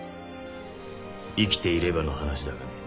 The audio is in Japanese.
生きていればの話だがね。